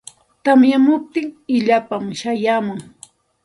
Tamyamuptin illapam chayamun.